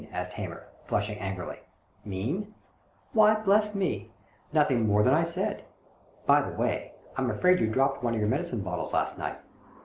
" asked Hamer, flushing angrily. "Mean? ^Miy, bless me — nothing more than I said. By the way, I'm afraid you dropped one of your medicine bottles last night.